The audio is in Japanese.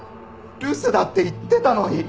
留守だって言ってたのに！